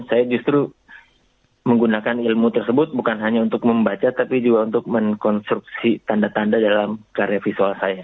saya justru menggunakan ilmu tersebut bukan hanya untuk membaca tapi juga untuk mengkonstruksi tanda tanda dalam karya visual saya